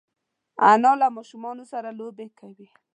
انا له ماشومانو سره لوبې کوي